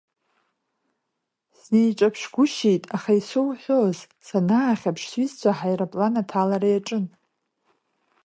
Снеиҿаԥшгәышьеит, аха исурҳәооз, санаахьаԥш, сҩызцәа аҳаирплан аҭалара иаҿын.